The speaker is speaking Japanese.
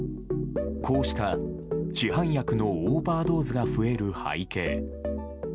こうした市販薬のオーバードーズが増える背景。